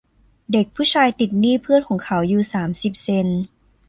เด็กผู้ชายติดหนี้เพื่อนของเขาอยู่สามสิบเซ็นต์